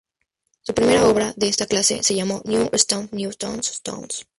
Su primera obra de esta clase se llamó "New-Stones-Newtons Tones".